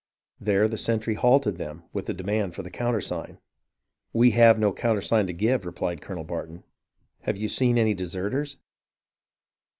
There the sentry halted them with the demand for the countersign. "We have no countersign to give," replied Colonel Bar ton. " Have you seen any deserters